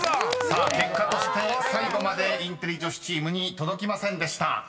［さあ結果として最後までインテリ女子チームに届きませんでした］